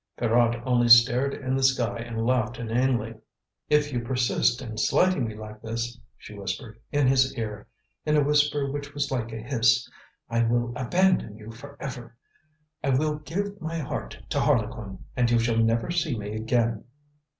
Pierrot only stared at the sky and laughed inanely. "If you persist in slighting me like this," she whispered in his ear, in a whisper which was like a hiss, "I will abandon you for ever. I will give my heart to Harlequin, and you shall never see me again."